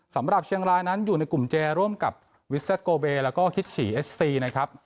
สำหรับเชียงรายนั้นอยู่ในกลุ่มเจร่วมกับวิสเตอร์โกเบแล้วก็คิดศรีเอสซีนะครับ